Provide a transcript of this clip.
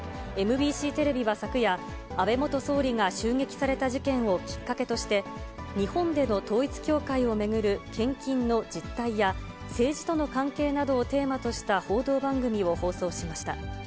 ＭＢＣテレビは昨夜、安倍元総理が襲撃された事件をきっかけとして、日本での統一教会を巡る献金の実態や、政治との関係などをテーマとした報道番組を放送しました。